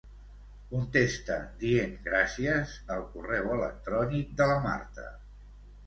Contesta dient "gràcies" al correu electrònic de la Marta.